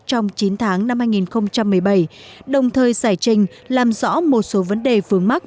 trong chín tháng năm hai nghìn một mươi bảy đồng thời giải trình làm rõ một số vấn đề phương mắc